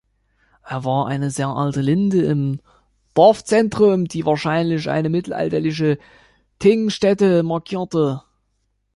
Er war eine sehr alte Linde im Dorfzentrum, die wahrscheinlich eine mittelalterliche Thingstätte markierte.